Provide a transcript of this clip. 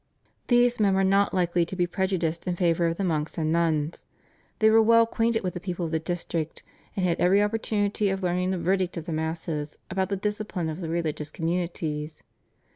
These men were not likely to be prejudiced in favour of the monks and nuns. They were well acquainted with the people of the district, and had every opportunity of learning the verdict of the masses about the discipline of the religious communities.